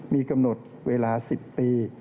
มีกำหนดเวลา๑๐ปี